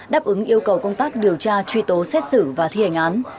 đáp ứng yêu cầu công tác điều tra truy tố xét xử và thi hành án